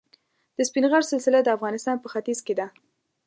د سپین غر سلسله د افغانستان په ختیځ کې ده.